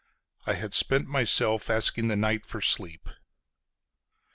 I had spent myself asking the night for sleep.